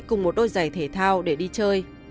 cùng một đôi giày thể thao để đi chơi